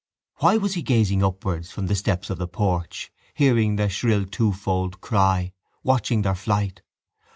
Why was he gazing upwards from the steps of the porch, hearing their shrill twofold cry, watching their flight?